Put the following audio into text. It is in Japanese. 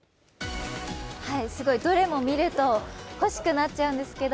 どれも見ると欲しくなっちゃうんですけど。